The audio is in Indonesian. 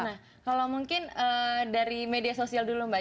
nah kalau mungkin dari media sosial dulu mbak